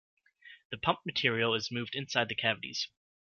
The pumped material is moved inside the cavities.